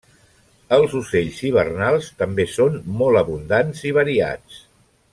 Els ocells hivernals també són molt abundants i variats.